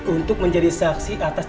untuk menjadi saksi atas